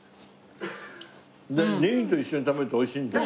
でネギと一緒に食べると美味しいんだよ。